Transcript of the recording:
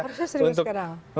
harusnya serius sekarang